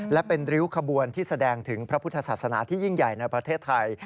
และเป็นริ้วขบวนที่แสดงถึงพระพุทธศาสนาที่ยิ่งใหญ่ในประเทศไทย